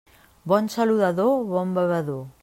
Bon saludador, bon bevedor.